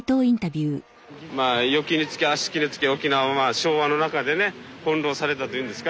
よきにつけあしきにつけ沖縄は昭和の中でね翻弄されたというんですか。